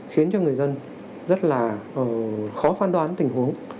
khiến cho người dân rất là khó phán đoán tình huống